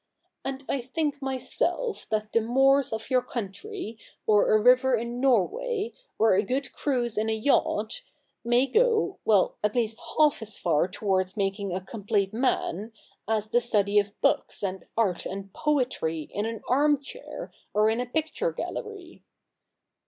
And I think myself that the moors of your country, or a river in Norway, or a good cruise in a yacht, may go — well, at least half as far to wards making a complete man, as the study of books, and art, and poetry, in an arm chair, or in a picture gallery.'